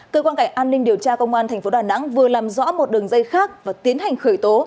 cơ quan cảnh an ninh điều tra công an tp đà nẵng vừa làm rõ một đường dây khác và tiến hành khởi tố